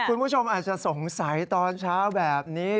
คุณผู้ชมอาจจะสงสัยตอนเช้าแบบนี้